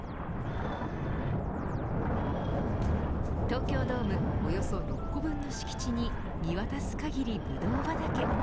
東京ドームおよそ６個分の敷地に見渡す限りブドウ畑。